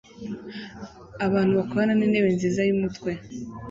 abantu bakorana nintebe nziza yumutwe